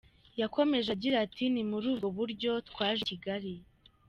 Yakomeje agira ati “Ni muri ubwo buryo twaje i Kigali.